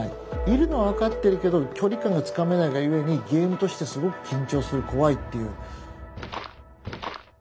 いるのは分かってるけど距離感がつかめないがゆえにゲームとしてすごく緊張する怖いっていう。